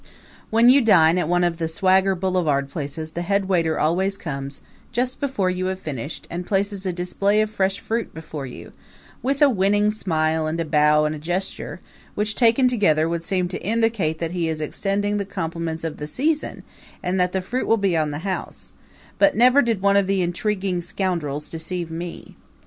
When you dine at one of the swagger boulevard places the head waiter always comes, just before you have finished, and places a display of fresh fruit before you, with a winning smile and a bow and a gesture, which, taken together, would seem to indicate that he is extending the compliments of the season and that the fruit will be on the house; but never did one of the intriguing scoundrels deceive me.